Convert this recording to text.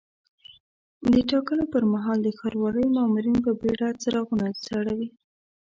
د ټاکنو پر مهال د ښاروالۍ مامورین په بیړه څراغونه ځړوي.